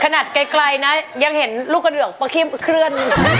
ขนาดไกลนะยังเห็นลูกกระเดือกประคิมเคลื่อน